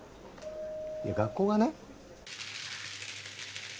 いや学校がね